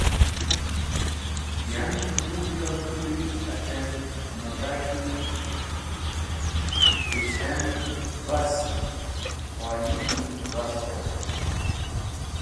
Yan, k̃hũ lupyor k̃hũy atem mẽdhag-e bichkami vast, qoyimi vast.et